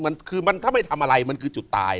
มันคือมันถ้าไม่ทำอะไรมันคือจุดตาย